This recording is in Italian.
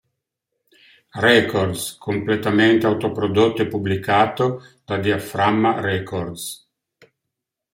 Records, completamente autoprodotto e pubblicato da Diaframma Records.